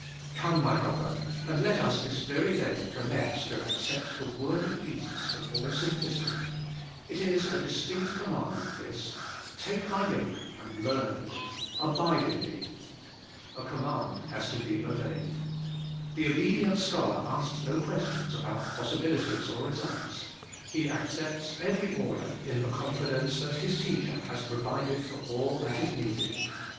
Come, my brother, and let us this very day com mence to accept the word of Jesus in all simplicity. It is a distinct command this: 'Take my yoke, and learn of me,' 'Abide in me.' A command has to be obeyed. The obedient scholar asks no questions 28 ABIDE IN CHRIST: about possibilities or results; he accepts every order in the confidence that his teacher has provided for all that is needed.